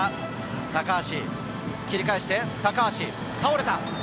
高橋、切り返して倒れた。